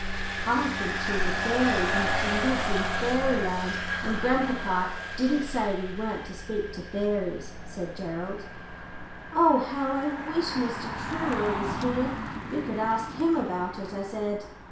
"I think she is a fairy, and that she lives in Fairyland; and grandpapa didn't say we weren't to speak to fairies," said Gerald. "Oh! how I wish Mr. Truro was here; we could ask him about it," I said.